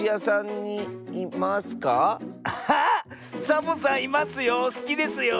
サボさんいますよ。